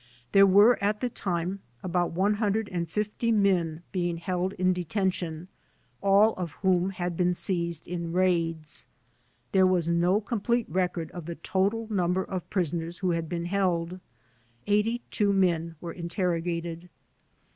There were at the time about 150 men being held in de tention, all of whom had been seized in raids. There was no complete record of the total number of prisoners who hatd been held. Eighty two men were interrogated.